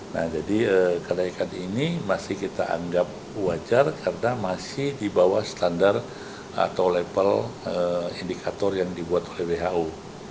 nah jadi kenaikan ini masih kita anggap wajar karena masih di bawah standar atau level indikator yang dibuat oleh who